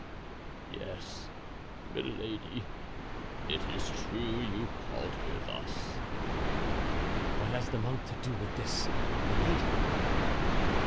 "Yes, Milady; it is true you called her thus." "What has the monk to do with this Milady?"